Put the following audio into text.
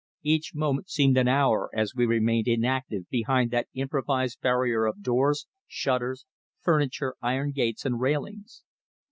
Each moment seemed an hour as we remained inactive behind that improvised barrier of doors, shutters, furniture, iron gates and railings.